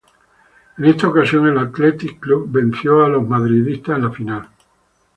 En esta ocasión el Athletic Club venció a los madridistas en la final.